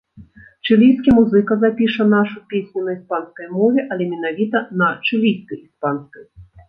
Чылійскі музыка запіша нашу песню на іспанскай мове, але менавіта на чылійскай іспанскай.